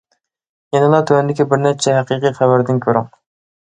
يەنىلا تۆۋەندىكى بىر نەچچە ھەقىقىي خەۋەردىن كۆرۈڭ.